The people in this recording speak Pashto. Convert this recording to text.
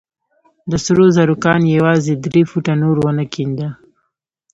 د سرو زرو کان يې يوازې درې فوټه نور ونه کينده.